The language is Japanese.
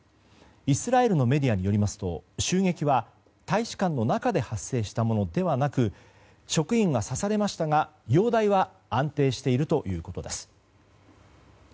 イスラエルのメディアによりますと襲撃は大使館の中で発生したものではなく職員は刺されましたが、容体は安定しているということです。